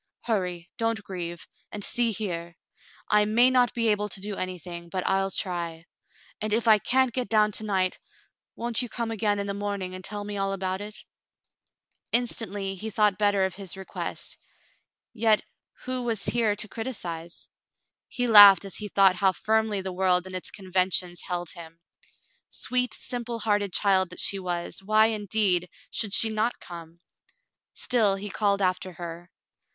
Hurry, don't grieve — and see here : I may not be able to do anything, but I'll try; and if I can't get down to night, won't you come again in the morning and tell me all about it .?" Instantly he thought better of his request, yet who was here to criticise ? He laughed as he thought how firmly the world and its conventions held him. Sweet, simple hearted child that she was, why, indeed, should she not come .^ Still he called after her.